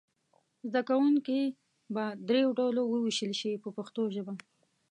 زده کوونکي به دریو ډلو وویشل شي په پښتو ژبه.